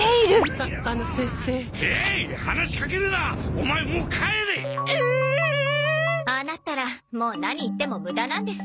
ああなったらもう何言っても無駄なんです。